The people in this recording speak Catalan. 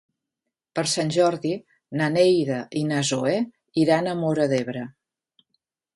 Per Sant Jordi na Neida i na Zoè iran a Móra d'Ebre.